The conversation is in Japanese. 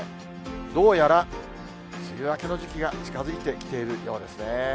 どうやら梅雨明けの時期が近づいてきているようですね。